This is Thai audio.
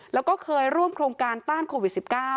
แล้วก็เคยร่วมโครงการต้านโควิด๑๙